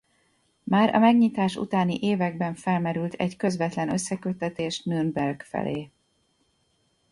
Már a megnyitás utáni években felmerült egy közvetlen összeköttetés Nürnberg felé.